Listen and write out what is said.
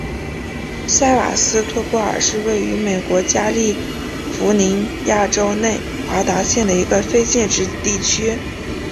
塞瓦斯托波尔是位于美国加利福尼亚州内华达县的一个非建制地区。